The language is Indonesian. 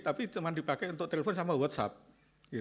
tapi cuma dipakai untuk telepon sama whatsapp